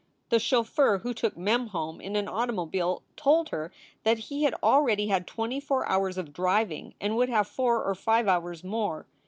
The chauffeur who took Mem home in an automobile told her that he had already had twenty four hours of driving and would have four or five hours more.